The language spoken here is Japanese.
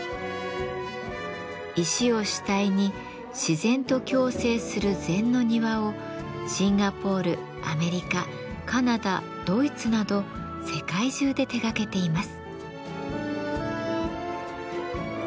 石を主体に自然と共生する禅の庭をシンガポールアメリカカナダドイツなど世界中で手がけています。